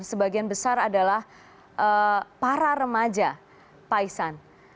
sebagian besar adalah para remaja paisan